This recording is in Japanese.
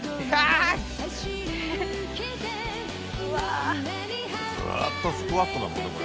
ずっとスクワットだもんねこれ。